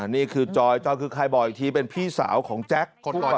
นี่คือจอยจอยคือใครบอกอีกทีเป็นพี่สาวของแจ๊คคนก่อเหตุ